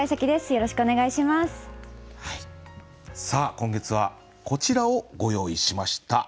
さあ今月はこちらをご用意しました。